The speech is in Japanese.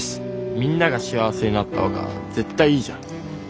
みんなが幸せになった方が絶対いいじゃん。